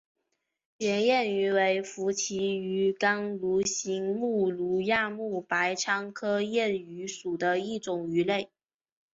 圆燕鱼为辐鳍鱼纲鲈形目鲈亚目白鲳科燕鱼属的一种鱼类。